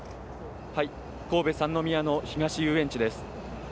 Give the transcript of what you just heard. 神戸三宮の東遊園地です